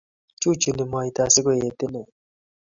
Chuchuni moyta si koet inee